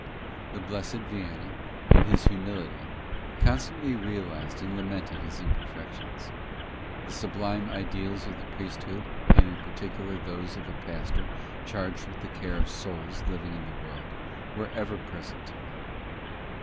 The Blessed Vianney, in his humility, constantly realized and lamented his imperfections. The sublime ideals of the priesthood and in particular those of a pastor charged with the care of souls living in the world, were ever present to him.